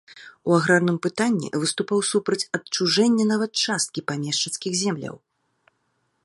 У аграрным пытанні выступаў супраць адчужэння нават часткі памешчыцкіх земляў.